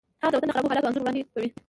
هغه د وطن د خرابو حالاتو انځور وړاندې کوي